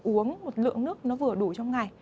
uống một lượng nước nó vừa đủ trong ngày